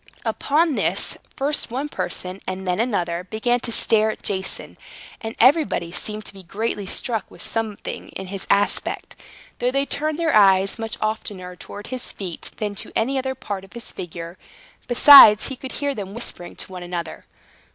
Upon this, first one person, and then another, began to stare at Jason, and everybody seemed to be greatly struck with something in his aspect; though they turned their eyes much oftener towards his feet than to any other part of his figure. Besides, he could hear them whispering to one another.